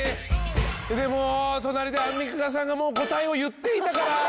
でも隣でアンミカさんがもう答えを言っていたから。